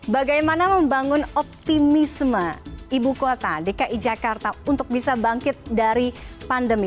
bagaimana membangun optimisme ibu kota dki jakarta untuk bisa bangkit dari pandemi